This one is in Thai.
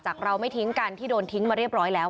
เราไม่ทิ้งกันที่โดนทิ้งมาเรียบร้อยแล้ว